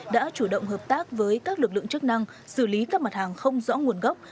đã chủ động hợp tác với các lực lượng chức năng xử lý các mặt hàng không rõ nguồn gốc